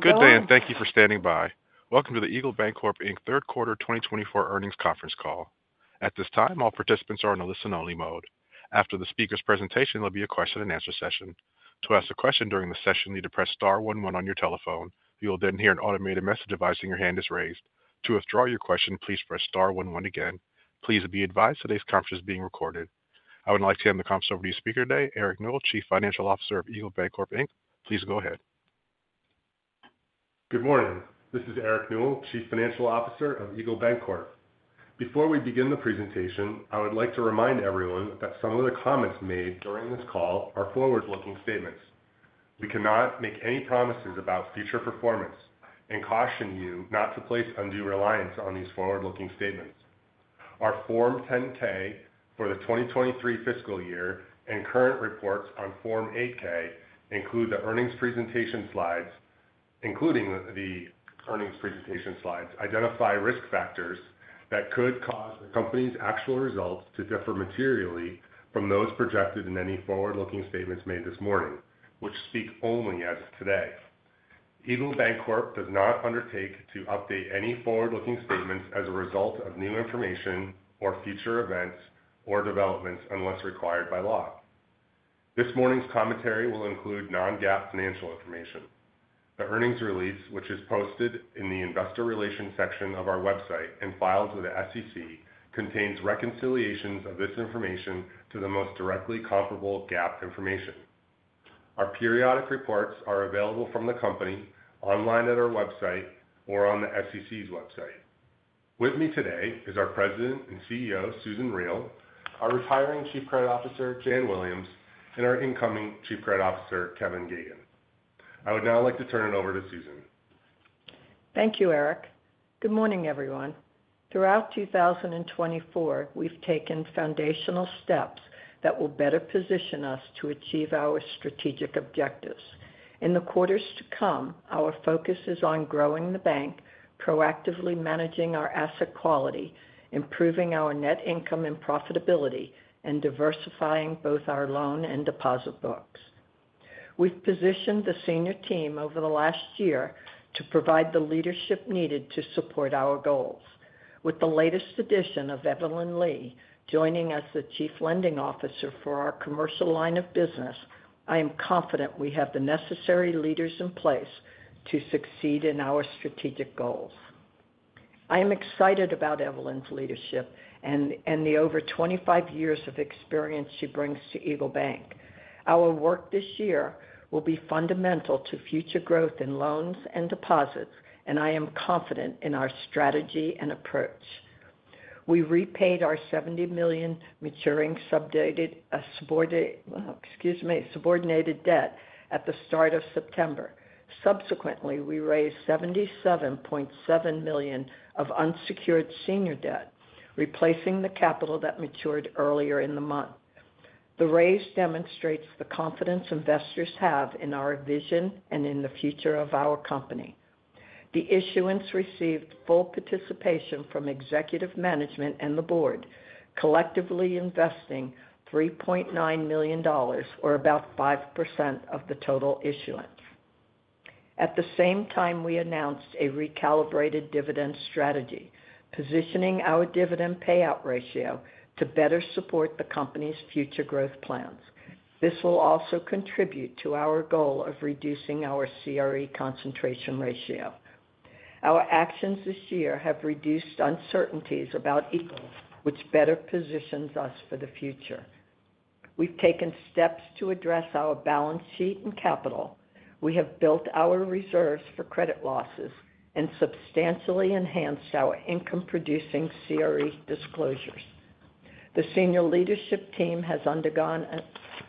Good day, and thank you for standing by. Welcome to the Eagle Bancorp Inc. third quarter twenty twenty-four earnings conference call. At this time, all participants are in a listen-only mode. After the speaker's presentation, there'll be a question-and-answer session. To ask a question during the session, you need to press star one one on your telephone. You'll then hear an automated message advising your hand is raised. To withdraw your question, please press star one one again. Please be advised today's conference is being recorded. I would now like to hand the conference over to your speaker today, Eric Newell, Chief Financial Officer of Eagle Bancorp Inc. Please go ahead. Good morning. This is Eric Newell, Chief Financial Officer of Eagle Bancorp. Before we begin the presentation, I would like to remind everyone that some of the comments made during this call are forward-looking statements. We cannot make any promises about future performance and caution you not to place undue reliance on these forward-looking statements. Our Form 10-K for the 2023 fiscal year and current reports on Form 8-K include the earnings presentation slides, identify risk factors that could cause the company's actual results to differ materially from those projected in any forward-looking statements made this morning, which speak only as of today. Eagle Bancorp does not undertake to update any forward-looking statements as a result of new information or future events or developments unless required by law. This morning's commentary will include non-GAAP financial information. The earnings release, which is posted in the investor relations section of our website and filed with the SEC, contains reconciliations of this information to the most directly comparable GAAP information. Our periodic reports are available from the company, online at our website or on the SEC's website. With me today is our President and CEO, Susan Riel, our retiring Chief Credit Officer, Jan Williams, and our incoming Chief Credit Officer, Kevin Gagnon. I would now like to turn it over to Susan. Thank you, Eric. Good morning, everyone. Throughout 2024, we've taken foundational steps that will better position us to achieve our strategic objectives. In the quarters to come, our focus is on growing the bank, proactively managing our asset quality, improving our net income and profitability, and diversifying both our loan and deposit books. We've positioned the senior team over the last year to provide the leadership needed to support our goals. With the latest addition of Evelyn Lee, joining as the Chief Lending Officer for our commercial line of business, I am confident we have the necessary leaders in place to succeed in our strategic goals. I am excited about Evelyn's leadership and the over 25 years of experience she brings to EagleBank. Our work this year will be fundamental to future growth in loans and deposits, and I am confident in our strategy and approach. We repaid our $70 million maturing subordinated debt at the start of September. Subsequently, we raised $77.7 million of unsecured senior debt, replacing the capital that matured earlier in the month. The raise demonstrates the confidence investors have in our vision and in the future of our company. The issuance received full participation from executive management and the board, collectively investing $3.9 million, or about 5% of the total issuance. At the same time, we announced a recalibrated dividend strategy, positioning our dividend payout ratio to better support the company's future growth plans. This will also contribute to our goal of reducing our CRE concentration ratio. Our actions this year have reduced uncertainties about Eagle, which better positions us for the future. We've taken steps to address our balance sheet and capital. We have built our reserves for credit losses and substantially enhanced our income-producing CRE disclosures. The senior leadership team has undergone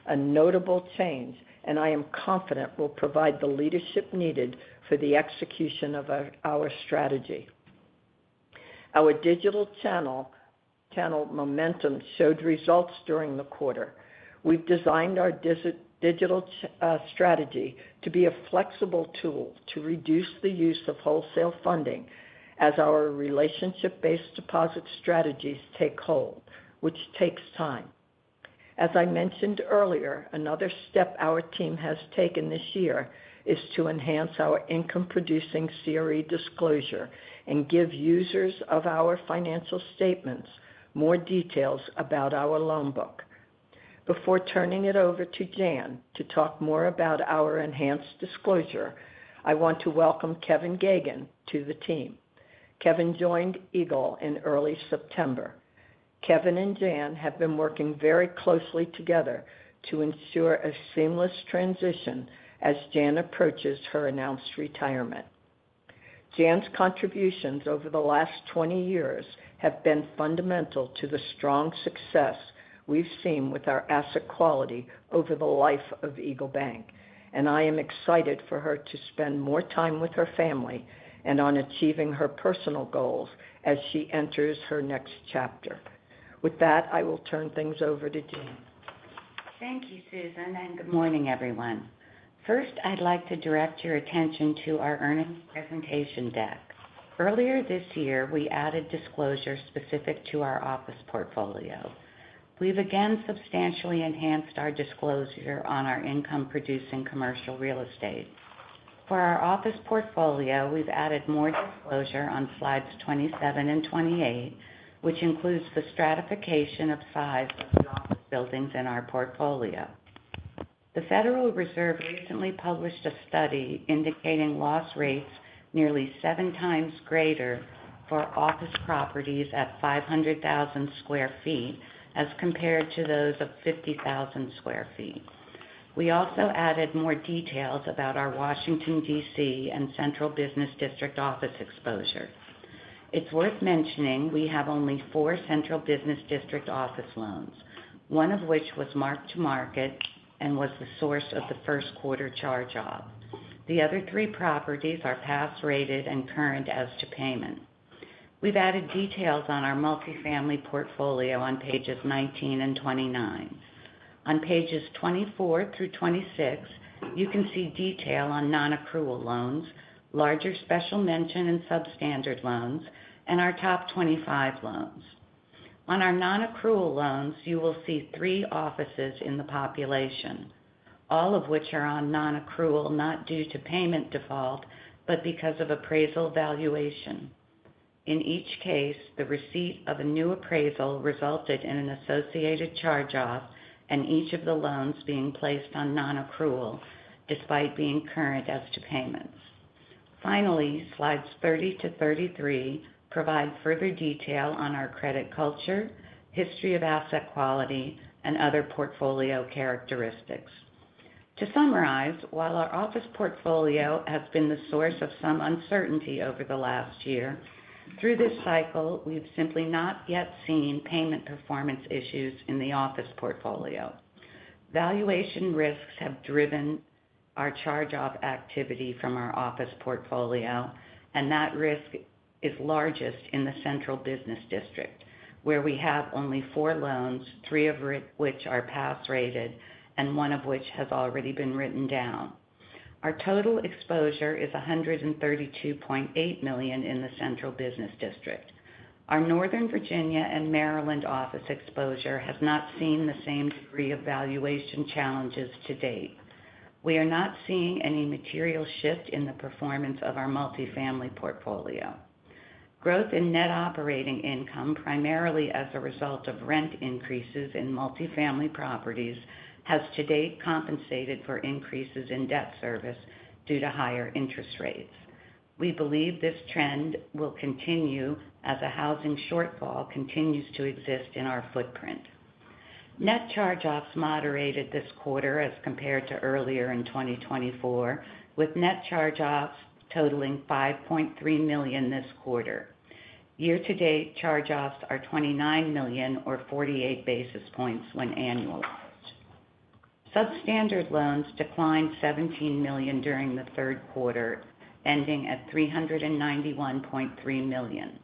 a notable change, and I am confident will provide the leadership needed for the execution of our strategy. Our digital channel momentum showed results during the quarter. We've designed our digital strategy to be a flexible tool to reduce the use of wholesale funding as our relationship-based deposit strategies take hold, which takes time. As I mentioned earlier, another step our team has taken this year is to enhance our income-producing CRE disclosure and give users of our financial statements more details about our loan book. Before turning it over to Jan to talk more about our enhanced disclosure, I want to welcome Kevin Gagan to the team. Kevin joined Eagle in early September. Kevin and Jan have been working very closely together to ensure a seamless transition as Jan approaches her announced retirement. Jan's contributions over the last 20 years have been fundamental to the strong success we've seen with our asset quality over the life of EagleBank, and I am excited for her to spend more time with her family and on achieving her personal goals as she enters her next chapter. With that, I will turn things over to Jan. Thank you, Susan, and good morning, everyone. First, I'd like to direct your attention to our earnings presentation deck. ...Earlier this year, we added disclosure specific to our office portfolio. We've again substantially enhanced our disclosure on our income-producing commercial real estate. For our office portfolio, we've added more disclosure on slides 27 and 28, which includes the stratification of size of the office buildings in our portfolio. The Federal Reserve recently published a study indicating loss rates nearly seven times greater for office properties at 500,000 sq ft, as compared to those of 50,000 sq ft. We also added more details about our Washington, D.C., and Central Business District office exposure. It's worth mentioning we have only four Central Business District office loans, one of which was marked to market and was the source of the first quarter charge-off. The other three properties are pass rated and current as to payment. We've added details on our multifamily portfolio on pages 19 and 29. On pages twenty-four through twenty-six, you can see detail on nonaccrual loans, larger Special Mention and Substandard loans, and our top twenty-five loans. On our nonaccrual loans, you will see three offices in the population, all of which are on nonaccrual, not due to payment default, but because of appraisal valuation. In each case, the receipt of a new appraisal resulted in an associated charge-off and each of the loans being placed on nonaccrual despite being current as to payments. Finally, slides thirty to thirty-three provide further detail on our credit culture, history of asset quality, and other portfolio characteristics. To summarize, while our office portfolio has been the source of some uncertainty over the last year, through this cycle, we've simply not yet seen payment performance issues in the office portfolio. Valuation risks have driven our charge-off activity from our office portfolio, and that risk is largest in the Central Business District, where we have only four loans, three of which are Pass rated, and one of which has already been written down. Our total exposure is $132.8 million in the Central Business District. Our Northern Virginia and Maryland office exposure has not seen the same degree of valuation challenges to date. We are not seeing any material shift in the performance of our multifamily portfolio. Growth in net operating income, primarily as a result of rent increases in multifamily properties, has to date compensated for increases in debt service due to higher interest rates. We believe this trend will continue as a housing shortfall continues to exist in our footprint. Net charge-offs moderated this quarter as compared to earlier in 2024, with net charge-offs totaling $5.3 million this quarter. Year-to-date, charge-offs are $29 million or 48 basis points when annualized. Substandard loans declined $17 million during the third quarter, ending at $391.3 million.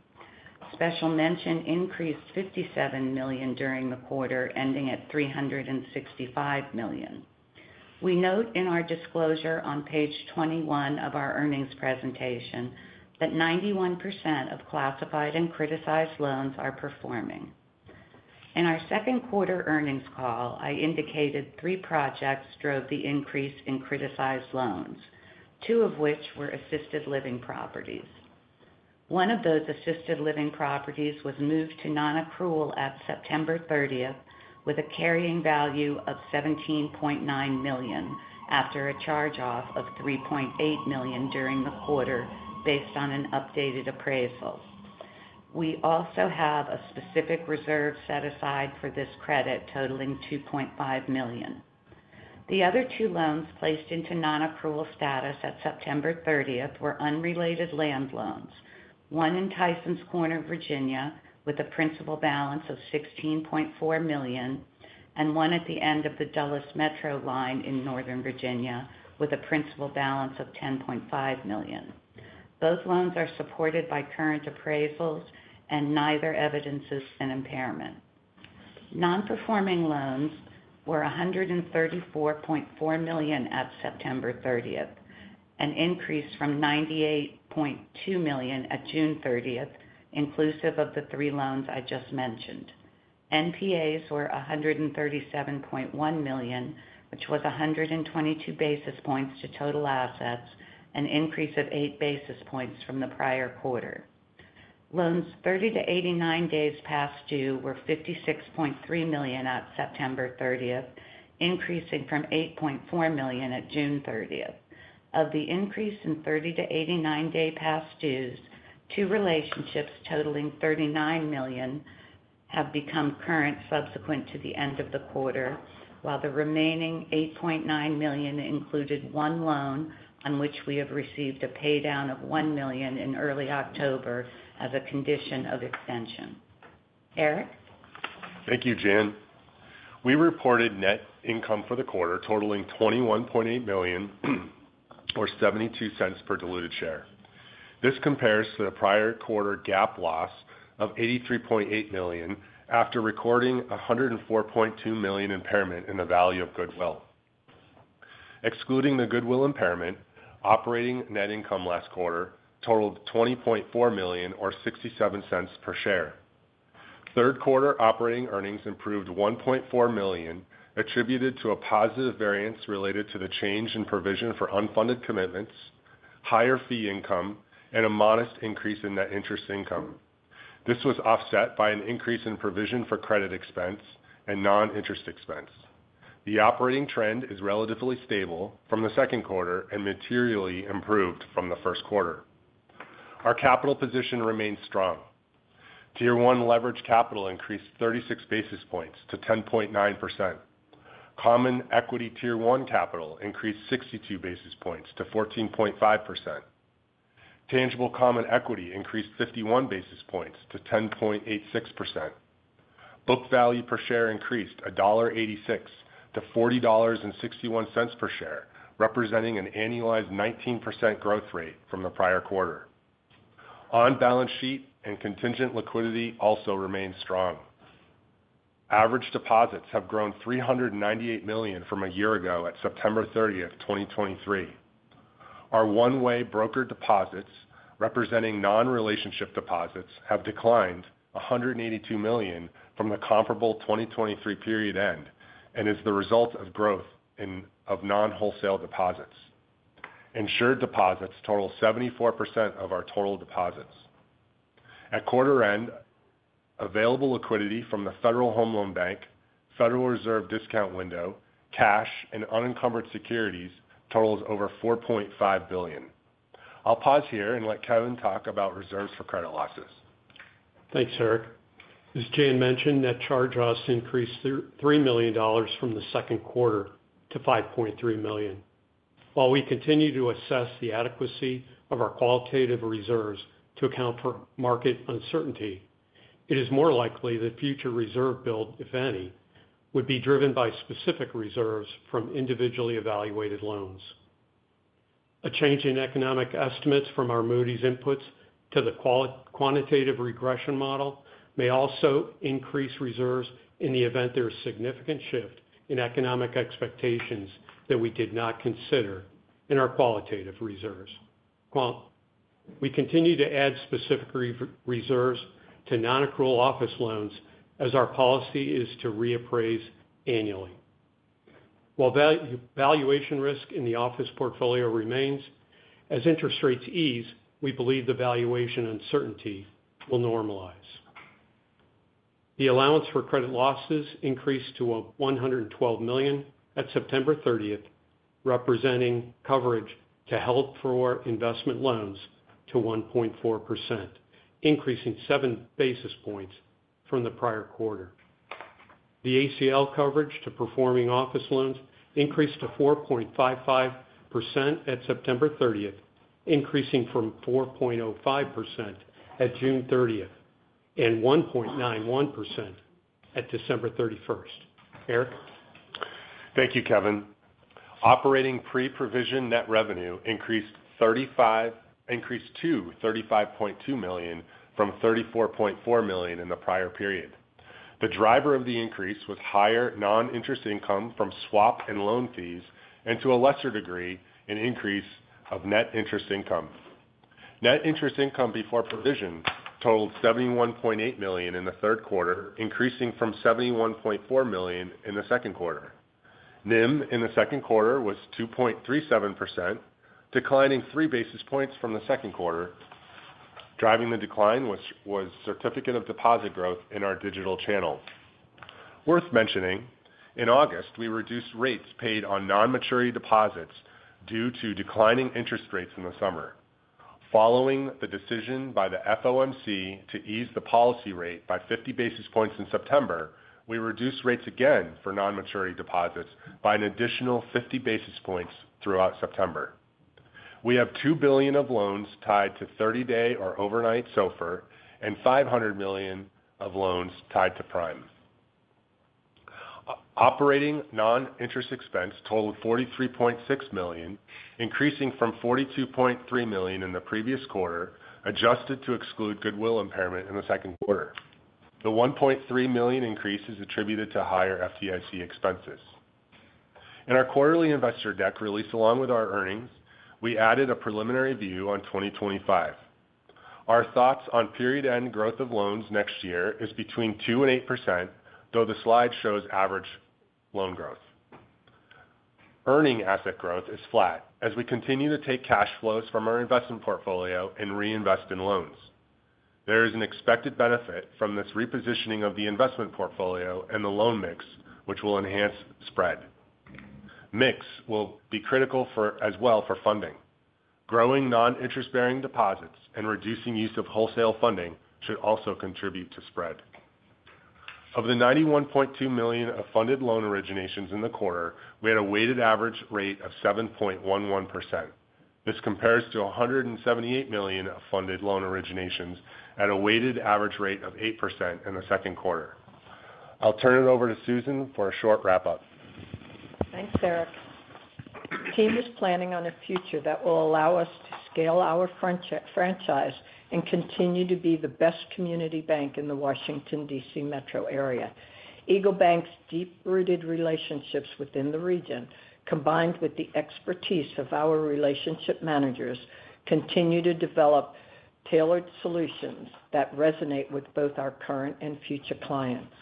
Special Mention increased $57 million during the quarter, ending at $365 million. We note in our disclosure on page 21 of our earnings presentation, that 91% of classified and criticized loans are performing. In our second quarter earnings call, I indicated three projects drove the increase in criticized loans, two of which were assisted living properties. One of those assisted living properties was moved to nonaccrual at September 30th, with a carrying value of $17.9 million, after a charge-off of $3.8 million during the quarter based on an updated appraisal. We also have a specific reserve set aside for this credit, totaling $2.5 million. The other two loans placed into nonaccrual status at September thirtieth were unrelated land loans, one in Tysons Corner, Virginia, with a principal balance of $16.4 million, and one at the end of the Dulles Metro line in Northern Virginia, with a principal balance of $10.5 million. Both loans are supported by current appraisals, and neither evidences an impairment. Nonperforming loans were $134.4 million at September thirtieth, an increase from $98.2 million at June thirtieth, inclusive of the three loans I just mentioned. NPAs were $137.1 million, which was 122 basis points to total assets, an increase of 8 basis points from the prior quarter. Loans 30 to 89 days past due were $56.3 million at September thirtieth, increasing from $8.4 million at June thirtieth. Of the increase in 30 to 89-day past dues, two relationships totaling $39 million have become current subsequent to the end of the quarter, while the remaining $8.9 million included one loan on which we have received a paydown of $1 million in early October as a condition of extension. Eric? Thank you, Jan. We reported net income for the quarter totaling $21.8 million, or $0.72 per diluted share. This compares to the prior quarter GAAP loss of $83.8 million after recording a $104.2 million impairment in the value of goodwill. Excluding the goodwill impairment, operating net income last quarter totaled $20.4 million, or $0.67 per share. Third quarter operating earnings improved $1.4 million, attributed to a positive variance related to the change in provision for unfunded commitments, higher fee income, and a modest increase in net interest income. This was offset by an increase in provision for credit expense and non-interest expense. The operating trend is relatively stable from the second quarter and materially improved from the first quarter. Our capital position remains strong. Tier 1 Leverage Capital increased 36 basis points to 10.9%. Common Equity Tier 1 capital increased 62 basis points to 14.5%. Tangible Common Equity increased 51 basis points to 10.86%. Book Value Per Share increased $1.86 to $40.61 per share, representing an annualized 19% growth rate from the prior quarter. On-balance-sheet and contingent liquidity also remains strong. Average deposits have grown $398 million from a year ago at September 30, 2023. Our one-way broker deposits, representing non-relationship deposits, have declined $182 million from the comparable 2023 period end and is the result of growth of non-wholesale deposits. Insured deposits total 74% of our total deposits. At quarter end, available liquidity from the Federal Home Loan Bank, Federal Reserve discount window, cash, and unencumbered securities totals over $4.5 billion. I'll pause here and let Kevin talk about reserves for credit losses. Thanks, Eric. As Jan mentioned, net charge-offs increased $3 million from the second quarter to $5.3 million. While we continue to assess the adequacy of our qualitative reserves to account for market uncertainty, it is more likely that future reserve build, if any, would be driven by specific reserves from individually evaluated loans. A change in economic estimates from our Moody's inputs to the quantitative regression model may also increase reserves in the event there is significant shift in economic expectations that we did not consider in our qualitative reserves. We continue to add specific reserves to nonaccrual office loans as our policy is to reappraise annually. While valuation risk in the office portfolio remains, as interest rates ease, we believe the valuation uncertainty will normalize. The allowance for credit losses increased to $112 million at September 30th, representing coverage to help for our investment loans to 1.4%, increasing seven basis points from the prior quarter. The ACL coverage to performing office loans increased to 4.55% at September 30th, increasing from 4.05% at June 30th, and 1.91% at December 31st. Eric? Thank you, Kevin. Operating pre-provision net revenue increased to $35.2 million from $34.4 million in the prior period. The driver of the increase was higher non-interest income from swap and loan fees, and to a lesser degree, an increase of net interest income. Net interest income before provision totaled $71.8 million in the third quarter, increasing from $71.4 million in the second quarter. NIM in the second quarter was 2.37%, declining three basis points from the second quarter. Driving the decline was certificate of deposit growth in our digital channels. Worth mentioning, in August, we reduced rates paid on non-maturity deposits due to declining interest rates in the summer. Following the decision by the FOMC to ease the policy rate by fifty basis points in September, we reduced rates again for non-maturity deposits by an additional fifty basis points throughout September. We have $2 billion of loans tied to thirty-day or overnight SOFR and $500 million of loans tied to Prime. Operating non-interest expense totaled $43.6 million, increasing from $42.3 million in the previous quarter, adjusted to exclude goodwill impairment in the second quarter. The $1.3 million increase is attributed to higher FDIC expenses. In our quarterly investor deck release, along with our earnings, we added a preliminary view on 2025. Our thoughts on period-end growth of loans next year is between 2% and 8%, though the slide shows average loan growth. Earning asset growth is flat as we continue to take cash flows from our investment portfolio and reinvest in loans. There is an expected benefit from this repositioning of the investment portfolio and the loan mix, which will enhance spread. Mix will be critical for as well for funding. Growing non-interest-bearing deposits and reducing use of wholesale funding should also contribute to spread. Of the $91.2 million of funded loan originations in the quarter, we had a weighted average rate of 7.11%. This compares to $178 million of funded loan originations at a weighted average rate of 8% in the second quarter. I'll turn it over to Susan for a short wrap-up. Thanks, Eric. The team is planning on a future that will allow us to scale our franchise and continue to be the best community bank in the Washington, D.C. metro area. EagleBank's deep-rooted relationships within the region, combined with the expertise of our relationship managers, continue to develop tailored solutions that resonate with both our current and future clients.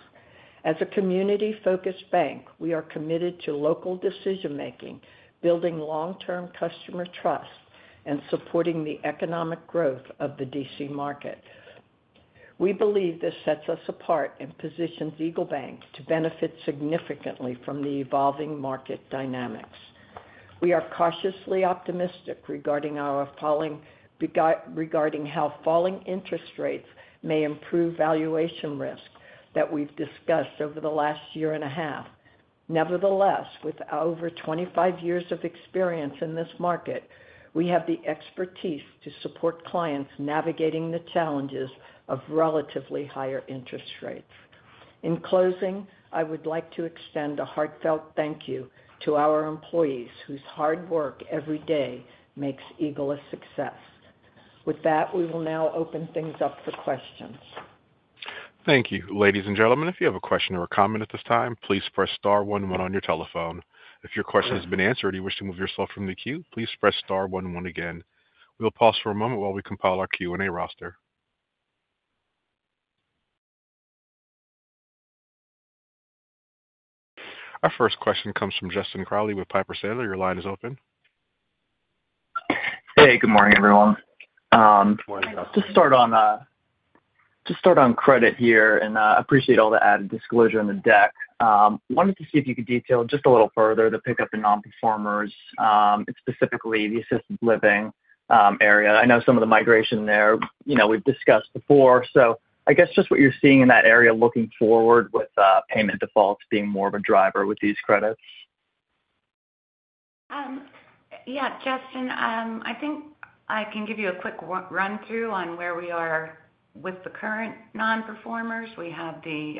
As a community-focused bank, we are committed to local decision-making, building long-term customer trust, and supporting the economic growth of the D.C. market. We believe this sets us apart and positions EagleBank to benefit significantly from the evolving market dynamics. We are cautiously optimistic regarding how falling interest rates may improve valuation risk that we've discussed over the last year and a half. Nevertheless, with over 25 years of experience in this market, we have the expertise to support clients navigating the challenges of relatively higher interest rates. In closing, I would like to extend a heartfelt thank you to our employees, whose hard work every day makes Eagle a success. With that, we will now open things up for questions. Thank you. Ladies and gentlemen, if you have a question or a comment at this time, please press star one one on your telephone. If your question has been answered, and you wish to move yourself from the queue, please press star one one again. We'll pause for a moment while we compile our Q&A roster. Our first question comes from Justin Crawley with Piper Sandler. Your line is open. Hey, good morning, everyone. Good morning. Just start on credit here, and appreciate all the added disclosure on the deck. Wanted to see if you could detail just a little further the pickup in nonperformers, and specifically the assisted living area. I know some of the migration there, you know, we've discussed before. So I guess just what you're seeing in that area looking forward with payment defaults being more of a driver with these credits. Yeah, Justin, I think I can give you a quick run-through on where we are with the current nonperformers. We have the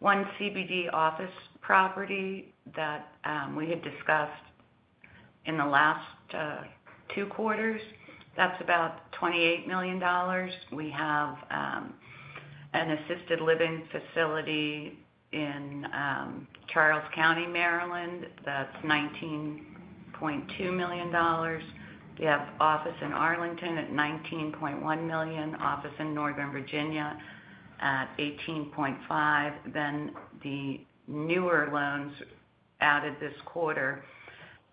one CBD office property that we had discussed in the last two quarters. That's about $28 million. We have an assisted living facility in Charles County, Maryland. That's $19.2 million. We have office in Arlington at $19.1 million, office in Northern Virginia at $18.5 million. Then the newer loans added this quarter,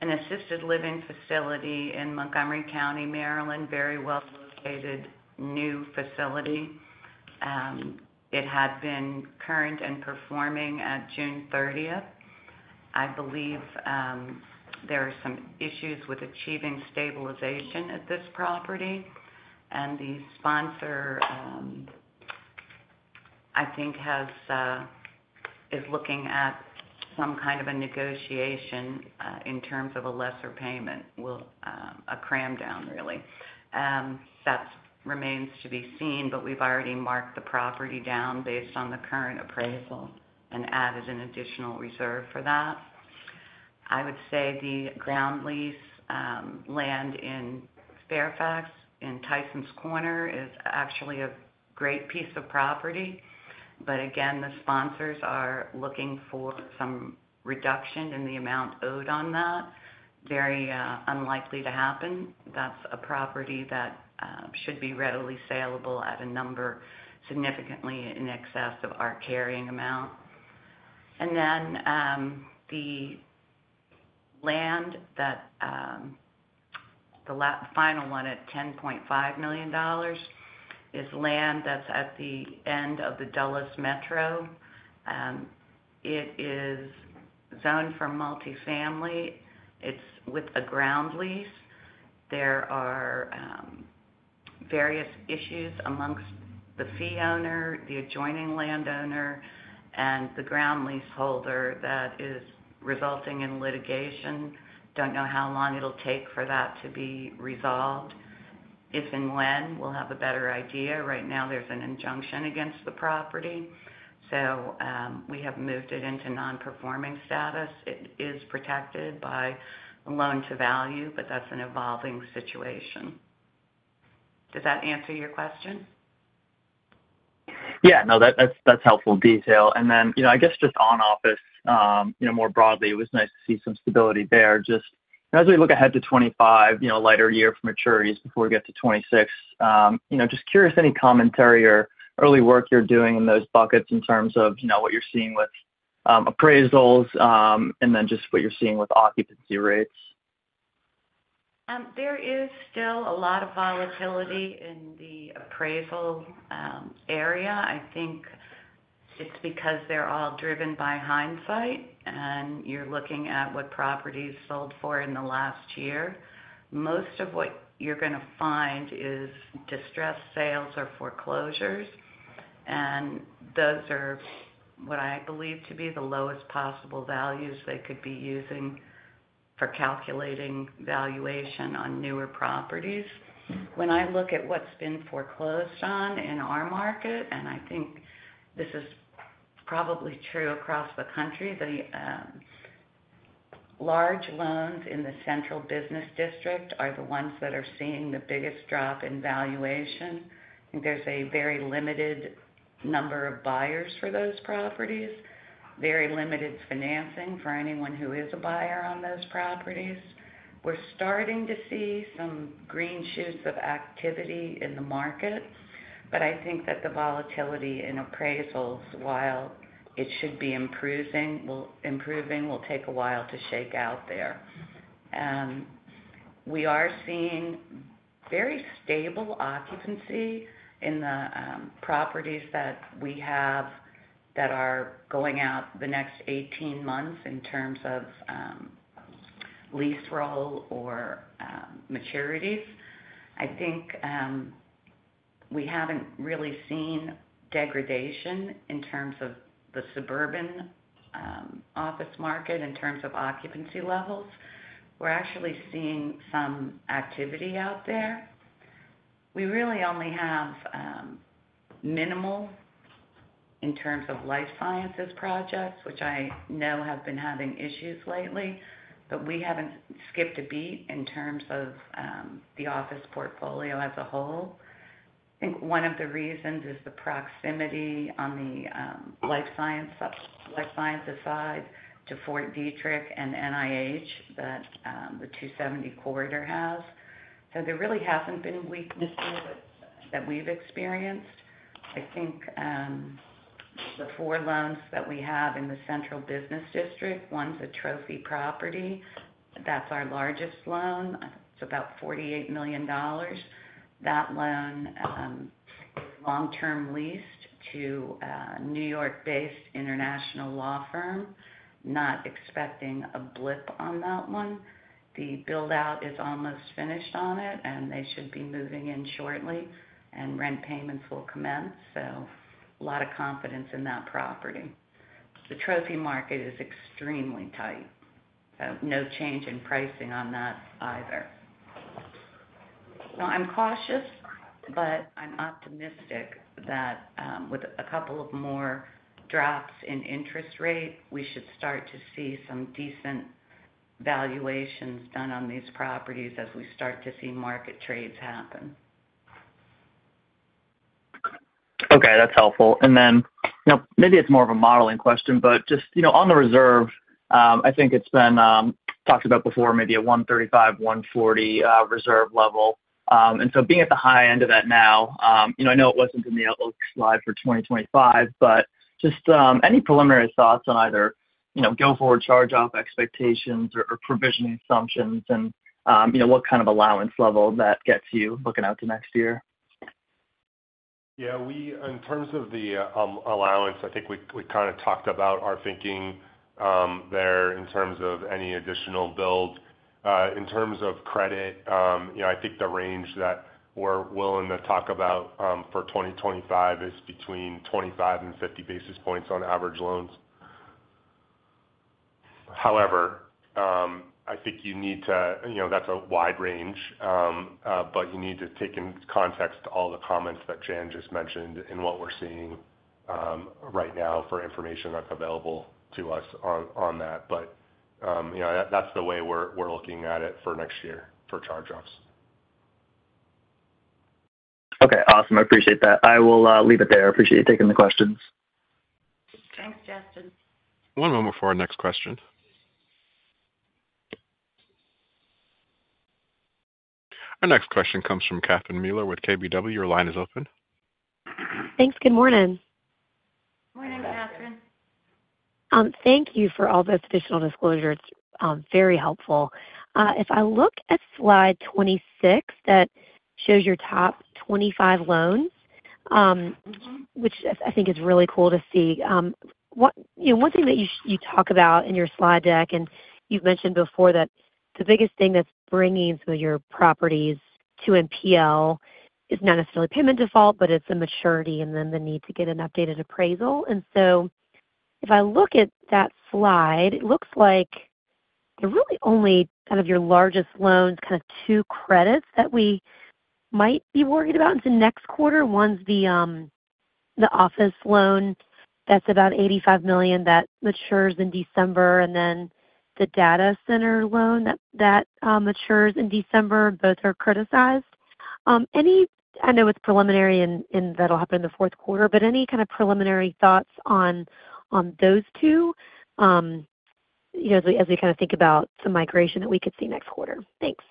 an assisted living facility in Montgomery County, Maryland, very well-located new facility. It had been current and performing at June thirtieth. I believe, there are some issues with achieving stabilization at this property, and the sponsor, I think, is looking at some kind of a negotiation in terms of a lesser payment, well, a cram down, really. That remains to be seen, but we've already marked the property down based on the current appraisal and added an additional reserve for that. I would say the ground lease, land in Fairfax, in Tysons Corner, is actually a great piece of property. But again, the sponsors are looking for some reduction in the amount owed on that. Very unlikely to happen. That's a property that should be readily salable at a number significantly in excess of our carrying amount. And then, the land that, the final one at $10.5 million is land that's at the end of the Dulles Metro. It is zoned for multifamily. It's with a ground lease. There are various issues amongst the fee owner, the adjoining landowner, and the ground leaseholder that is resulting in litigation. Don't know how long it'll take for that to be resolved. If and when, we'll have a better idea. Right now, there's an injunction against the property, so we have moved it into nonperforming status. It is protected by loan-to-value, but that's an evolving situation. Does that answer your question? Yeah. No, that's helpful detail. And then, you know, I guess just on office, you know, more broadly, it was nice to see some stability there. Just as we look ahead to 2025, you know, lighter year for maturities before we get to 2026, you know, just curious, any commentary or early work you're doing in those buckets in terms of, you know, what you're seeing with appraisals, and then just what you're seeing with occupancy rates? There is still a lot of volatility in the appraisal area. I think it's because they're all driven by hindsight, and you're looking at what properties sold for in the last year. Most of what you're gonna find is distressed sales or foreclosures, and those are what I believe to be the lowest possible values they could be using for calculating valuation on newer properties. When I look at what's been foreclosed on in our market, and I think this is probably true across the country. The large loans in the central business district are the ones that are seeing the biggest drop in valuation. I think there's a very limited number of buyers for those properties, very limited financing for anyone who is a buyer on those properties. We're starting to see some green shoots of activity in the market, but I think that the volatility in appraisals, while it should be improving, will take a while to shake out there. We are seeing very stable occupancy in the properties that we have that are going out the next eighteen months in terms of lease roll or maturities. I think we haven't really seen degradation in terms of the suburban office market, in terms of occupancy levels. We're actually seeing some activity out there. We really only have minimal in terms of life sciences projects, which I know have been having issues lately, but we haven't skipped a beat in terms of the office portfolio as a whole. I think one of the reasons is the proximity on the life science, life sciences side to Fort Detrick and NIH that the I-270 corridor has. So there really hasn't been weaknesses that we've experienced. I think the four loans that we have in the central business district, one's a trophy property. That's our largest loan. It's about $48 million. That loan, long-term leased to a New York-based international law firm, not expecting a blip on that one. The build-out is almost finished on it, and they should be moving in shortly, and rent payments will commence. So a lot of confidence in that property. The trophy market is extremely tight, so no change in pricing on that either. So I'm cautious, but I'm optimistic that, with a couple of more drops in interest rate, we should start to see some decent valuations done on these properties as we start to see market trades happen. Okay, that's helpful. And then, now, maybe it's more of a modeling question, but just, you know, on the reserve, I think it's been talked about before, maybe a one thirty-five, one forty, reserve level. And so being at the high end of that now, you know, I know it wasn't in the outlook slide for 2025, but just, any preliminary thoughts on either, you know, go forward, charge-off expectations or, or provisioning assumptions and, you know, what kind of allowance level that gets you looking out to next year? Yeah, we-- in terms of the, allowance, I think we kind of talked about our thinking, there in terms of any additional build. In terms of credit, you know, I think the range that we're willing to talk about, for 2025 is between 25 and 50 basis points on average loans. However, I think you need to, you know, that's a wide range, but you need to take in context all the comments that Jan just mentioned and what we're seeing, right now for information that's available to us on that. But, you know, that's the way we're looking at it for next year for charge-offs. Okay, awesome. I appreciate that. I will leave it there. I appreciate you taking the questions. Thanks, Justin. One moment before our next question. Our next question comes from Catherine Mealor with KBW. Your line is open. Thanks. Good morning. Morning, Catherine. Thank you for all those additional disclosures. It's very helpful. If I look at slide 26, that shows your top 25 loans. -which I think is really cool to see. You know, one thing that you talk about in your slide deck, and you've mentioned before, that the biggest thing that's bringing some of your properties to NPL is not necessarily payment default, but it's the maturity and then the need to get an updated appraisal. And so if I look at that slide, it looks like there really only, out of your largest loans, kind of two credits that we might be worried about into next quarter. One's the office loan, that's about $85 million that matures in December, and then the data center loan that matures in December. Both are criticized. Any, I know it's preliminary and that'll happen in the fourth quarter, but any kind of preliminary thoughts on those two, you know, as we kind of think about some migration that we could see next quarter? Thanks.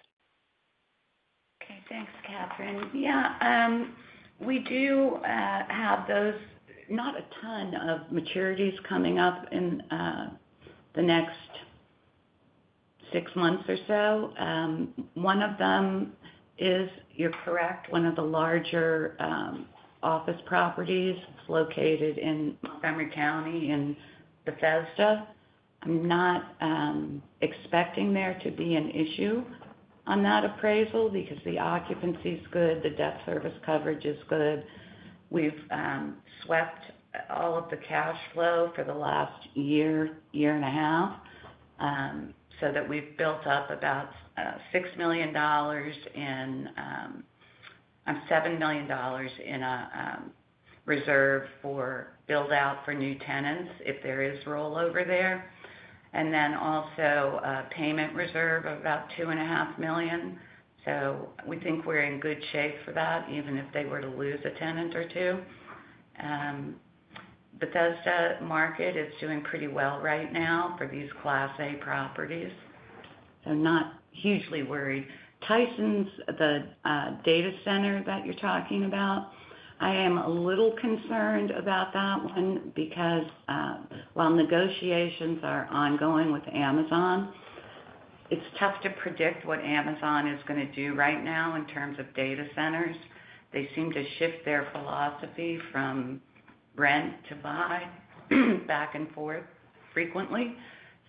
Okay. Thanks, Catherine. Yeah, we do have those, not a ton of maturities coming up in the next six months or so. One of them is, you're correct, one of the larger office properties. It's located in Montgomery County in Bethesda. I'm not expecting there to be an issue on that appraisal because the occupancy is good, the debt service coverage is good. We've swept all of the cash flow for the last year, year and a half, so that we've built up about $7 million in a reserve for build out for new tenants, if there is rollover there, and then also a payment reserve of about $2.5 million. So we think we're in good shape for that, even if they were to lose a tenant or two. Bethesda market is doing pretty well right now for these Class A properties, so not hugely worried. Tysons, the, data center that you're talking about, I am a little concerned about that one because, while negotiations are ongoing with Amazon, it's tough to predict what Amazon is going to do right now in terms of data centers. They seem to shift their philosophy from rent to buy, back and forth frequently.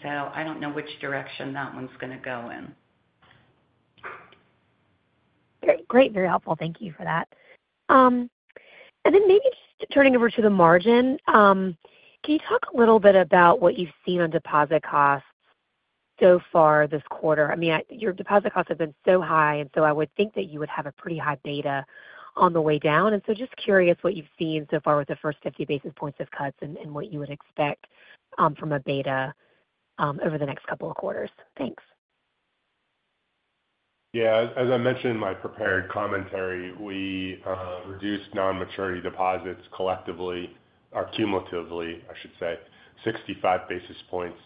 So I don't know which direction that one's gonna go in. Great, great, very helpful. Thank you for that. And then maybe just turning over to the margin. Can you talk a little bit about what you've seen on deposit costs so far this quarter? I mean, your deposit costs have been so high, and so I would think that you would have a pretty high beta on the way down. And so just curious what you've seen so far with the first 50 basis points of cuts and what you would expect from a beta over the next couple of quarters. Thanks. Yeah. As I mentioned in my prepared commentary, we reduced non-maturity deposits collectively or cumulatively, I should say, sixty-five basis points,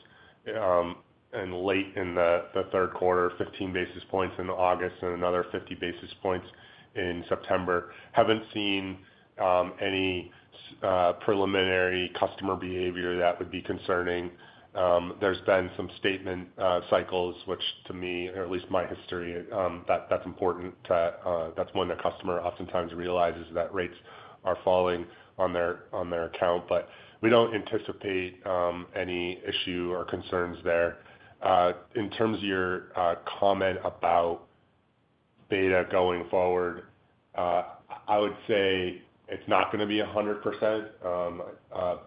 and late in the third quarter, fifteen basis points in August and another fifty basis points in September. Haven't seen any preliminary customer behavior that would be concerning. There's been some statement cycles, which to me, or at least my history, that's important to... That's when the customer oftentimes realizes that rates are falling on their account. But we don't anticipate any issue or concerns there. In terms of your comment about beta going forward, I would say it's not going to be 100%,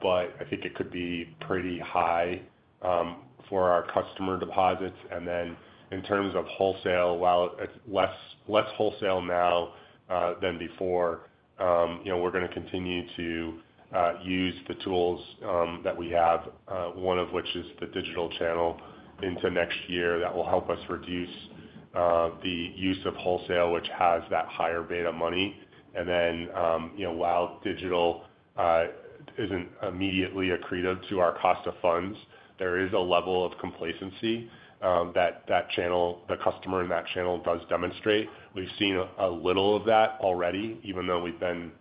but I think it could be pretty high, for our customer deposits. And then in terms of wholesale, while it's less wholesale now than before, you know, we're going to continue to use the tools that we have, one of which is the digital channel into next year. That will help us reduce the use of wholesale, which has that higher beta money. And then, you know, while digital isn't immediately accretive to our cost of funds, there is a level of complacency that channel, the customer in that channel, does demonstrate. We've seen a little of that already, even though we've been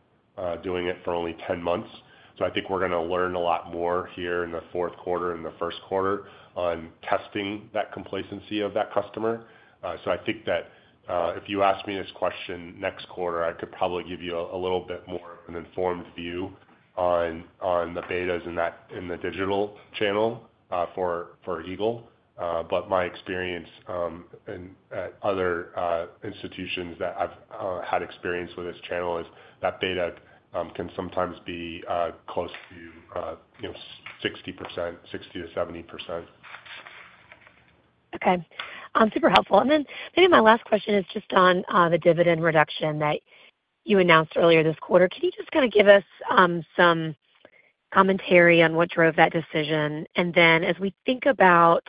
doing it for only ten months. So I think we're going to learn a lot more here in the fourth quarter and the first quarter on testing that complacency of that customer. So I think that if you ask me this question next quarter, I could probably give you a little bit more of an informed view on the betas in the digital channel for Eagle. But my experience at other institutions that I've had experience with this channel is that beta can sometimes be close to you know 60%-70%. Okay. Super helpful. And then maybe my last question is just on the dividend reduction that you announced earlier this quarter. Can you just kind of give us some commentary on what drove that decision? And then as we think about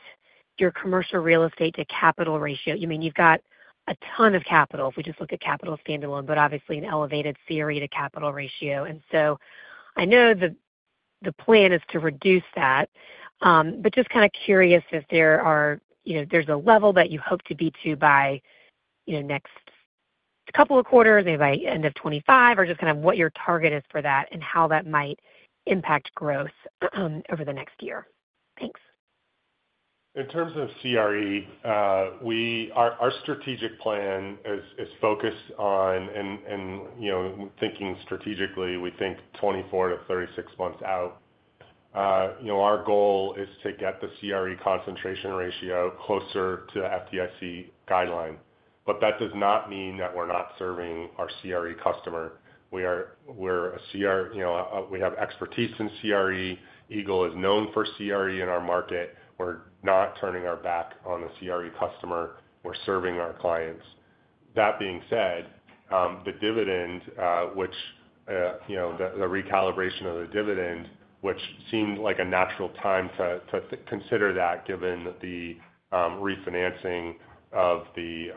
your commercial real estate to capital ratio, you mean, you've got a ton of capital if we just look at capital standalone, but obviously an elevated CRE to capital ratio. And so I know that the plan is to reduce that, but just kind of curious if there are, you know, there's a level that you hope to be to by, you know, next couple of quarters, maybe by end of 2025, or just kind of what your target is for that and how that might impact growth over the next year. Thanks. In terms of CRE, our strategic plan is focused on and, you know, thinking strategically, we think 24 to 36 months out. You know, our goal is to get the CRE concentration ratio closer to the FDIC guideline, but that does not mean that we're not serving our CRE customer. We're a CRE, you know, we have expertise in CRE. Eagle is known for CRE in our market. We're not turning our back on the CRE customer. We're serving our clients. That being said, the dividend, which, you know, the recalibration of the dividend, which seemed like a natural time to consider that given the refinancing of the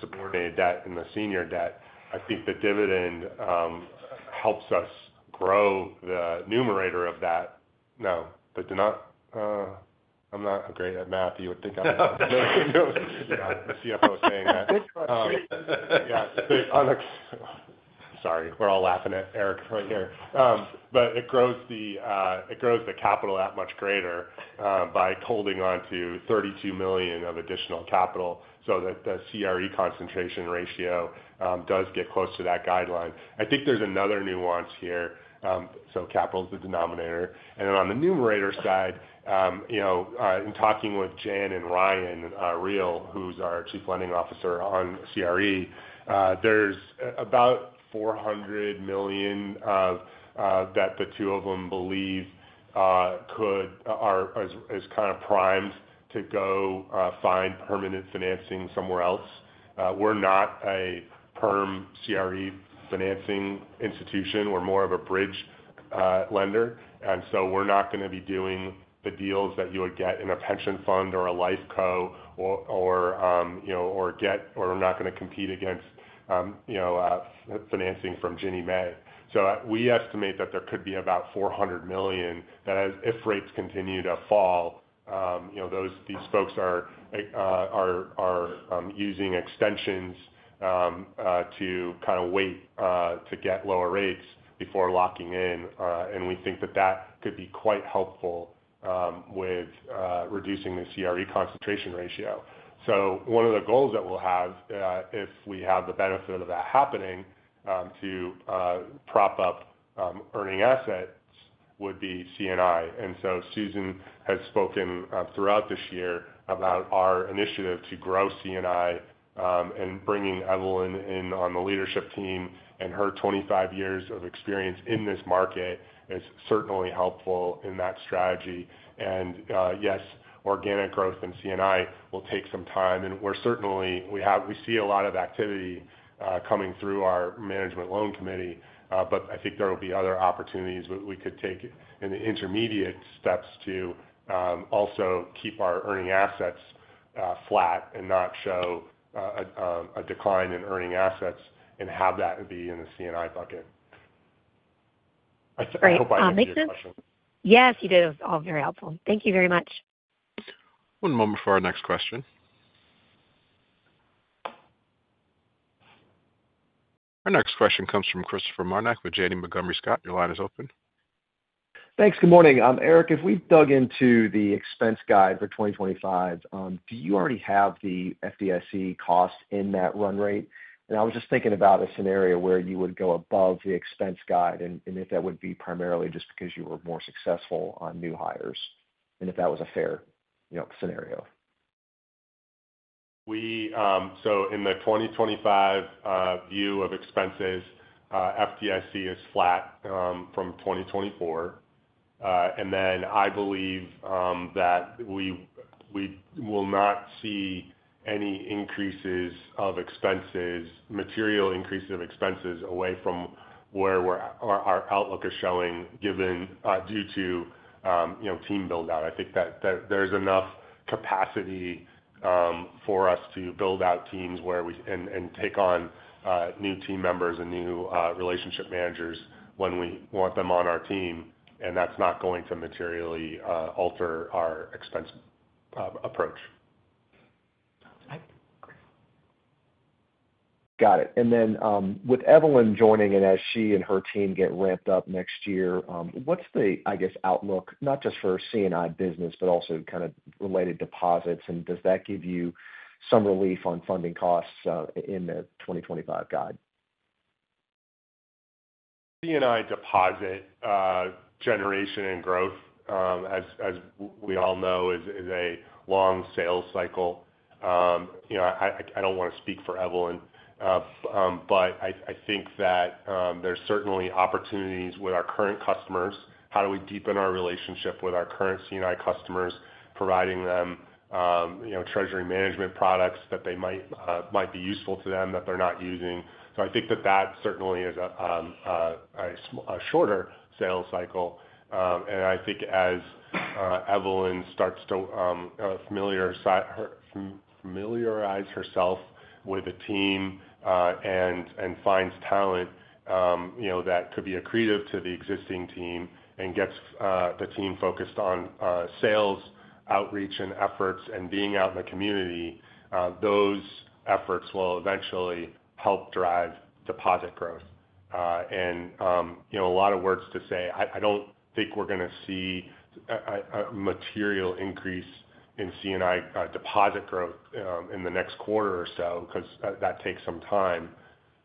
subordinated debt and the senior debt. I think the dividend helps us grow the numerator of that. No, but I'm not great at math. You would think I'm the CFO saying that. Yeah. Sorry, we're all laughing at Eric right here. But it grows the capital that much greater by holding on to $32 million of additional capital so that the CRE concentration ratio does get close to that guideline. I think there's another nuance here. So capital is the denominator. And then on the numerator side, you know, in talking with Jan and Ryan Riel, who's our chief lending officer on CRE, there's about $400 million of that the two of them believe is kind of primed to go find permanent financing somewhere else. We're not a perm CRE financing institution. We're more of a bridge lender, and so we're not gonna be doing the deals that you would get in a pension fund or a LifeCo, or you know, or we're not gonna compete against you know, financing from Ginnie Mae. So we estimate that there could be about $400 million that if rates continue to fall, you know, these folks are using extensions to kind of wait to get lower rates before locking in. And we think that that could be quite helpful with reducing the CRE concentration ratio. So one of the goals that we'll have if we have the benefit of that happening to prop up earning assets would be C&I. So Susan has spoken throughout this year about our initiative to grow C&I, and bringing Evelyn in on the leadership team, and her twenty-five years of experience in this market is certainly helpful in that strategy. And yes, organic growth in C&I will take some time, and we're certainly. We have. We see a lot of activity coming through our management loan committee, but I think there will be other opportunities we could take in the intermediate steps to also keep our earning assets flat and not show a decline in earning assets and have that be in the C&I bucket. I hope I answered your question. Great. Make sense? Yes, you did. It was all very helpful. Thank you very much. One moment for our next question. Our next question comes from Christopher Marinac with Janney Montgomery Scott. Your line is open. Thanks. Good morning. Eric, if we've dug into the expense guide for 2025, do you already have the FDIC costs in that run rate? And I was just thinking about a scenario where you would go above the expense guide and if that would be primarily just because you were more successful on new hires, and if that was a fair, you know, scenario. So in the 2025 view of expenses, FDIC is flat from 2024. And then I believe that we will not see any increases of expenses, material increases of expenses away from where our outlook is showing, given due to you know, team build out. I think that there's enough capacity for us to build out teams where we and take on new team members and new relationship managers when we want them on our team, and that's not going to materially alter our expense approach. Got it. And then, with Evelyn joining, and as she and her team get ramped up next year, what's the, I guess, outlook, not just for C&I business, but also kind of related deposits, and does that give you some relief on funding costs, in the twenty twenty-five guide? C&I deposit generation and growth, as we all know, is a long sales cycle. You know, I don't want to speak for Evelyn, but I think that there's certainly opportunities with our current customers. How do we deepen our relationship with our current C&I customers, providing them, you know, treasury management products that they might be useful to them that they're not using? So I think that that certainly is a shorter sales cycle. And I think as Evelyn starts to familiarize herself with the team, and finds talent, you know, that could be accretive to the existing team and gets the team focused on sales, outreach and efforts, and being out in the community, those efforts will eventually help drive deposit growth. And you know, a lot of words to say, I don't think we're gonna see a material increase in C&I deposit growth in the next quarter or so, because that takes some time.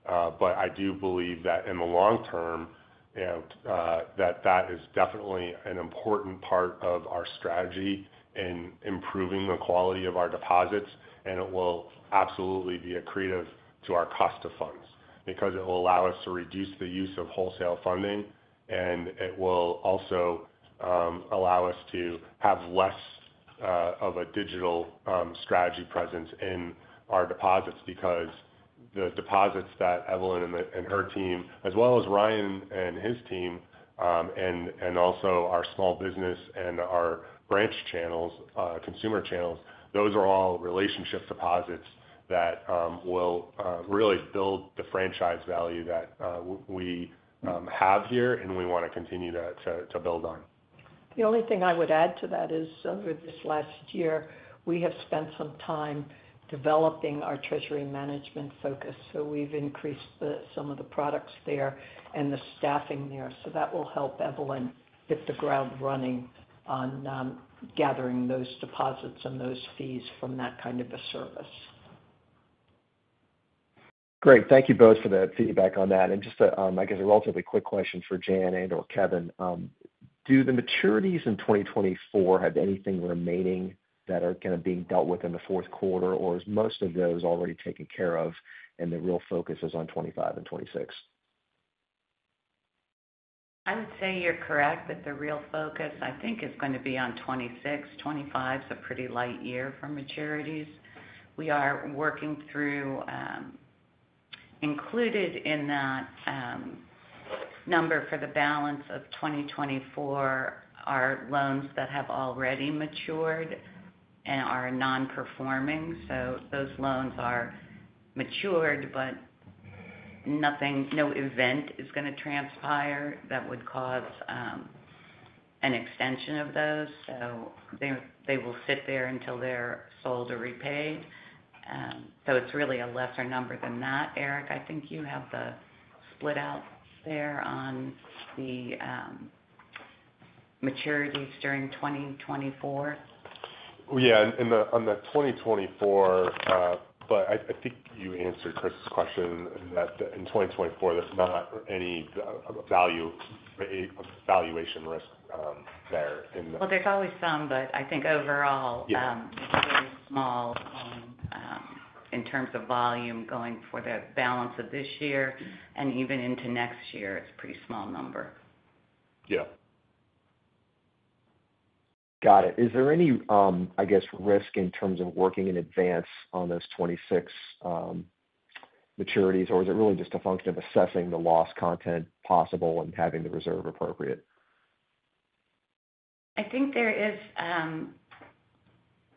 But I do believe that in the long term, you know, that that is definitely an important part of our strategy in improving the quality of our deposits, and it will absolutely be accretive to our cost of funds. Because it will allow us to reduce the use of wholesale funding, and it will also allow us to have less of a digital strategy presence in our deposits. Because the deposits that Evelyn and her team, as well as Ryan and his team, and also our small business and our branch channels, consumer channels, those are all relationship deposits that will really build the franchise value that we have here and we want to continue to build on. The only thing I would add to that is, over this last year, we have spent some time developing our treasury management focus. So we've increased some of the products there and the staffing there. So that will help Evelyn hit the ground running on gathering those deposits and those fees from that kind of a service. Great. Thank you both for the feedback on that. And just a, I guess, a relatively quick question for Jan and or Kevin. Do the maturities in twenty twenty-four have anything remaining that are kind of being dealt with in the fourth quarter, or is most of those already taken care of, and the real focus is on twenty-five and twenty-six?... I would say you're correct, but the real focus, I think, is going to be on 2026. 2025 is a pretty light year for maturities. We are working through, included in that number for the balance of 2024 are loans that have already matured and are nonperforming. So those loans are matured, but no event is going to transpire that would cause an extension of those. So they will sit there until they're sold or repaid. So it's really a lesser number than that. Eric, I think you have the split out there on the maturities during 2024. Yeah, on the 2024, but I think you answered Chris's question, in that, in 2024, there's not any valuation risk there in the- Well, there's always some, but I think overall- Yeah... it's very small, in terms of volume going for the balance of this year and even into next year, it's a pretty small number. Yeah. Got it. Is there any, I guess, risk in terms of working in advance on those 26 maturities, or is it really just a function of assessing the loss content possible and having the reserve appropriate? I think there is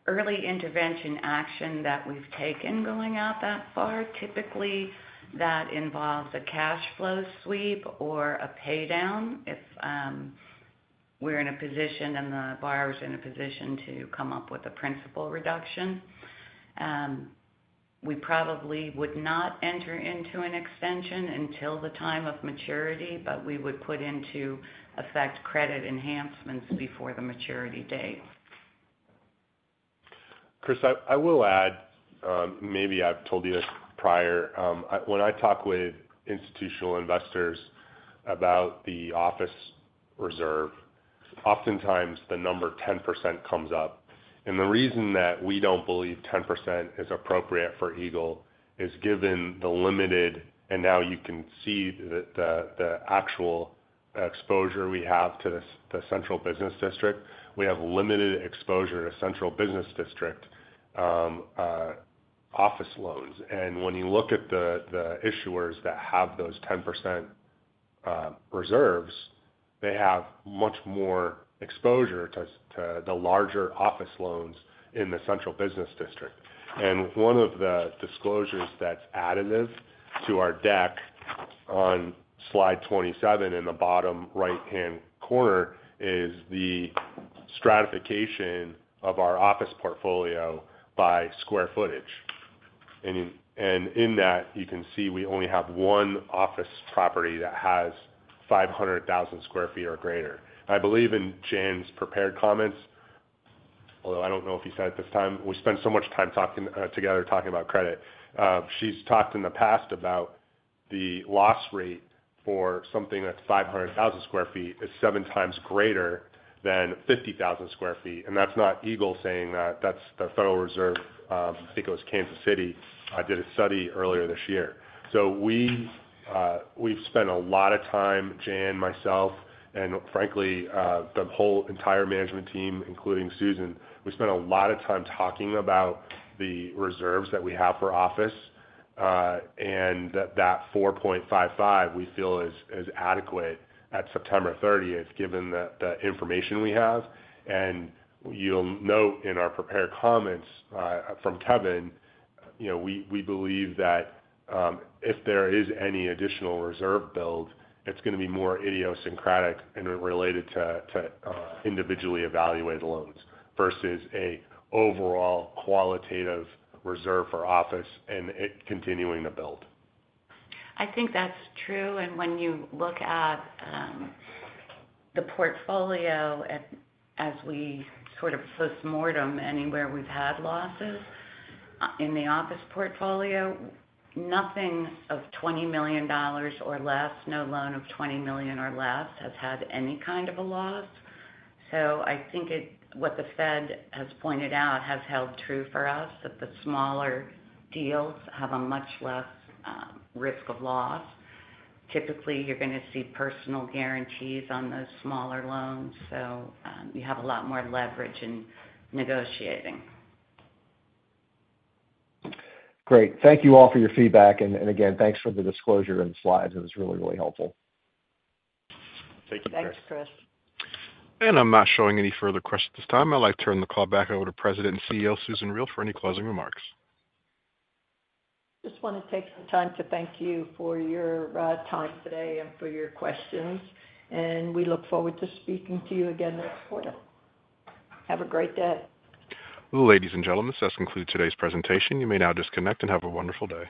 early intervention action that we've taken going out that far. Typically, that involves a cash flow sweep or a pay down if we're in a position and the buyer is in a position to come up with a principal reduction. We probably would not enter into an extension until the time of maturity, but we would put into effect credit enhancements before the maturity date. Chris, I will add, maybe I've told you this prior. When I talk with institutional investors about the office reserve, oftentimes the number 10% comes up. The reason that we don't believe 10% is appropriate for Eagle is given the limited, and now you can see the actual exposure we have to the central business district. We have limited exposure to central business district office loans. When you look at the issuers that have those 10% reserves, they have much more exposure to the larger office loans in the central business district. One of the disclosures that's additive to our deck on slide 27 in the bottom right-hand corner is the stratification of our office portfolio by square footage. You can see we only have one office property that has 500,000 sq ft or greater. I believe in Jan's prepared comments, although I don't know if you said it this time, we spent so much time talking together, talking about credit. She's talked in the past about the loss rate for something that's 500,000 sq ft is seven times greater than 50,000 sq ft. That's not Eagle saying that, that's the Federal Reserve. I think it was Kansas City did a study earlier this year. So we've spent a lot of time, Jan, myself, and frankly, the whole entire management team, including Susan. We spent a lot of time talking about the reserves that we have for office, and that 4.55 we feel is adequate at September thirtieth, given the information we have. And you'll note in our prepared comments from Kevin, you know, we believe that if there is any additional reserve build, it's going to be more idiosyncratic and related to individually evaluated loans versus an overall qualitative reserve for office and it continuing to build. I think that's true. And when you look at the portfolio as we sort of post-mortem anywhere we've had losses in the office portfolio, nothing of $20 million or less, no loan of $20 million or less has had any kind of a loss. So I think it, what the Fed has pointed out has held true for us, that the smaller deals have a much less risk of loss. Typically, you're going to see personal guarantees on those smaller loans, so you have a lot more leverage in negotiating. Great. Thank you all for your feedback. And again, thanks for the disclosure and slides. It was really, really helpful. Thank you, Chris. Thanks, Chris. I'm not showing any further questions at this time. I'd like to turn the call back over to President and CEO, Susan Riel, for any closing remarks. Just want to take some time to thank you for your time today and for your questions, and we look forward to speaking to you again next quarter. Have a great day. Ladies and gentlemen, this concludes today's presentation. You may now disconnect and have a wonderful day.